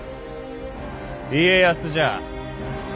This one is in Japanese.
家康じゃ。